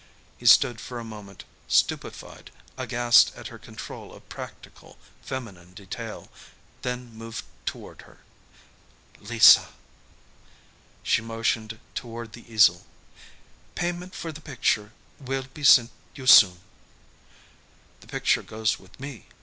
He stood for a moment stupefied, aghast at her control of practical, feminine detail; then moved toward her. "Lisa " She motioned toward the easel. "Payment for the picture will be sent you soon." "The picture goes with me.